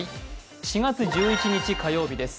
４月１１日火曜日です。